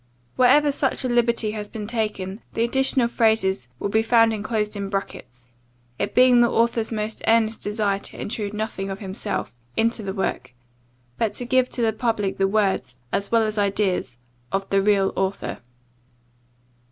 Wherever such a liberty has been taken, the additional phrases will be found inclosed in brackets; it being the editor's most earnest desire to intrude nothing of himself into the work, but to give to the public the words, as well as ideas, of the real author.